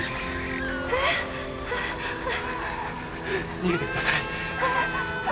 逃げてください。